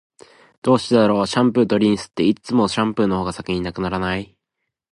どうしてだろう、シャンプーとリンスって、いつもシャンプーの方が先に無くならない？